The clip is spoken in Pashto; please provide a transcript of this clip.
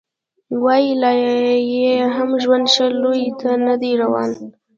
وايي لا یې هم ژوند ښه لوري ته نه دی روان